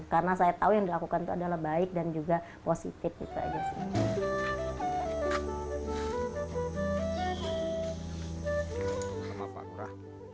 karena saya tahu yang dilakukan itu adalah baik dan juga positif